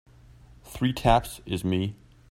Three taps is me.